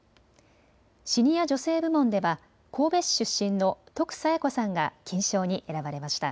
シニア女性部門では神戸市出身の徳彩也子さんが金賞に選ばれました。